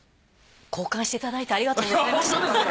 交換していただいてありがとうございました。